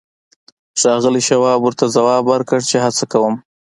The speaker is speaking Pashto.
ښاغلي شواب ورته ځواب ورکړ چې هڅه کوم